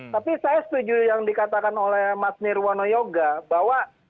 tapi saya setuju yang dikatakan oleh mas nirwono yoga bahwa